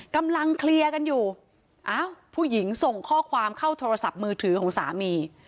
กำลังเคลียร์กันอยู่อ้าวผู้หญิงส่งข้อความเข้าโทรศัพท์มือถือของสามี